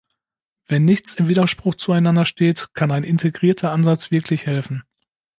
Wenn nichts im Widerspruch zueinander steht, kann ein integrierter Ansatz wirklich helfen.